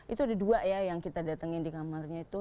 itu ada dua ya yang kita datengin di kamarnya itu